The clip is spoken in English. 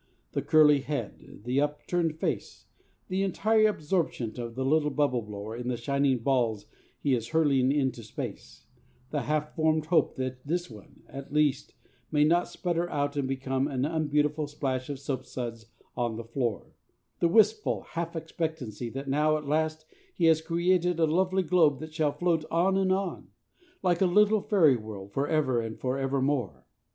The curly head; the upturned face; the entire absorption of the little bubble blower in the shining balls that he is hurling into space; the half formed hope that this one, at least, may not sputter out and become an unbeautiful splash of soapsuds on the floor; the wistful half expectancy that now, at last, he has created a lovely globe that shall float on and on, like a little fairy world, for ever and for evermore.